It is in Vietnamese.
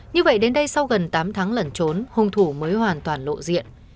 như vậy đến đây sau gần tám tháng lẩn trốn hung thủ mới hoàn toàn lộ diện